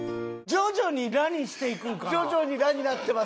徐々に「ラ」になってますね。